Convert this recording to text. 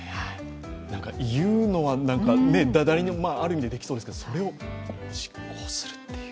なんか言うのは誰にでもある意味でできそうですけど、それを実行するという。